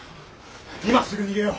今すぐ逃げよう！